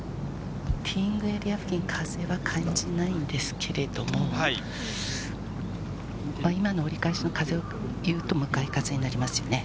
ティーイングエリア付近、風は感じないんですけれども、今の折り返しの風を言うと、向かい風になりますよね。